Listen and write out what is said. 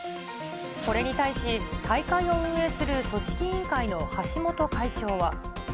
これに対し、大会を運営する組織委員会の橋本会長は。